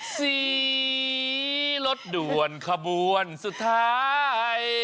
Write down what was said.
สีรถด่วนขบวนสุดท้าย